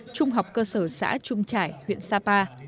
trung học cơ sở xã trung trải huyện sapa